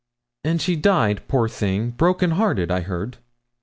'And she died, poor thing, broken hearted, I heard.'